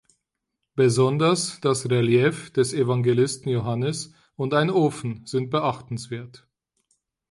Besonders das Relief des Evangelisten Johannes und ein Ofen sind beachtenswert.